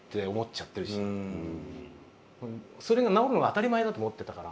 それが治るのが当たり前だと思ってたから。